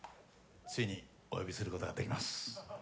ついにお呼びする事ができます。